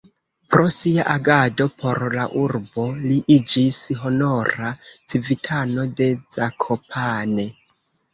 Pro sia agado por la urbo li iĝis honora civitano de Zakopane.